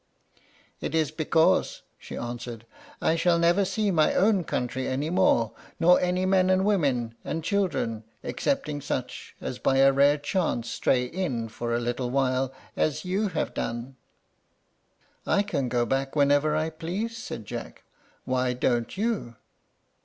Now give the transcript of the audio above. "It is because," she answered, "I shall never see my own country any more, nor any men and women and children, excepting such as by a rare chance stray in for a little while as you have done." "I can go back whenever I please," said Jack. "Why don't you?"